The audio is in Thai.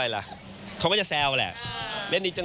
แพปปี้เพราะเราก็เล่น